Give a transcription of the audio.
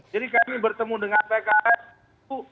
jadi kami bertemu dengan pks